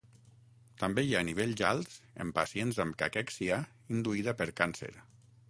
També hi ha nivells alts en pacients amb caquèxia induïda per càncer.